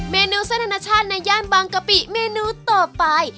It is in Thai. เมนูเส้นอนาชาติในย่านบางกะปิเมนูต่อไป